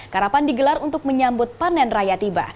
karapan digelar untuk menyambut panen raya tiba